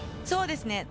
そうですね。